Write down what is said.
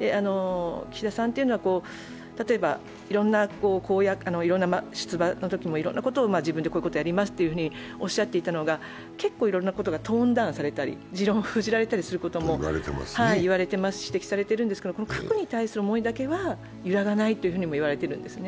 岸田さんというのは例えばいろんな出馬のときも自分でこういうことをやりますと言われていたのが結構いろんなことがトーンダウンしたり、持論が封じられていたりということも指摘されているんですけど、核に対する思いだけは揺らがないと言われているんですね。